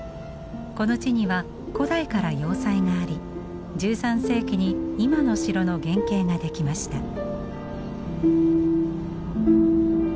この地には古代から要塞があり１３世紀に今の城の原型が出来ました。